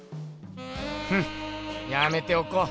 フッやめておこう。